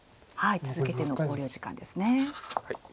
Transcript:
続けての考慮時間ですね。